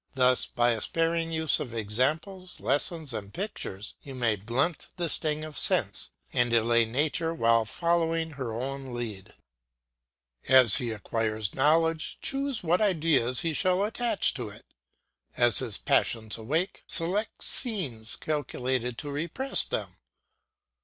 Thus by a sparing use of examples, lessons, and pictures, you may blunt the sting of sense and delay nature while following her own lead. As he acquires knowledge, choose what ideas he shall attach to it; as his passions awake, select scenes calculated to repress them.